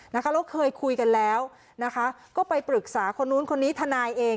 แล้วเคยคุยกันแล้วนะคะก็ไปปรึกษาคนนู้นคนนี้ทนายเอง